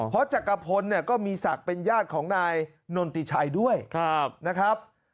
เพราะจักรพลเนี่ยก็มีศักดิ์เป็นญาติของนายนนติชัยด้วยนะครับ